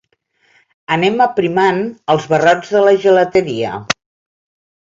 Anem aprimant els barrots de la gelateria.